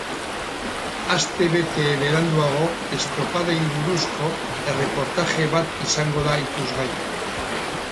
Aste bete beranduago, estropadei buruzko erreportaje bat izango da ikusgai.